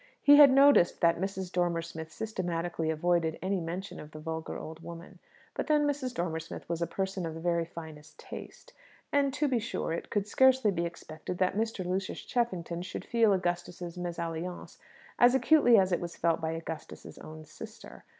He had noticed that Mrs. Dormer Smith systematically avoided any mention of the vulgar old woman. But then Mrs. Dormer Smith was a person of the very finest taste. And, to be sure, it could scarcely be expected that Mr. Lucius Cheffington should feel Augustus's mésalliance as acutely as it was felt by Augustus's own sister.